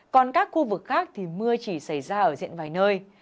còn các khu vực khác thì mưa chỉ xảy ra ở diện vài nơi